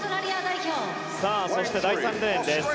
そして第３レーンです。